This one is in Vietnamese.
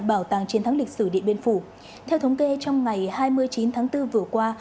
bảo tàng chiến thắng lịch sử điện biên phủ theo thống kê trong ngày hai mươi chín tháng bốn vừa qua